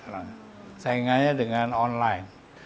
nah saingannya dengan online